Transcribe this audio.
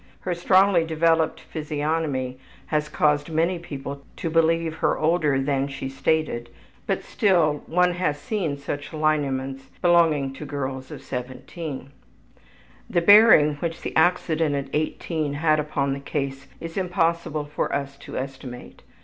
Her strongly developed physiognomy has caused many people to believe her older than she stated, but still one has seen such lineaments belonging to girls of 17. The bearing which the accident at 18 had upon the case it is impossible for us to estimate.